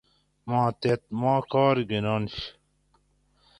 ماتحت ما کار گِننش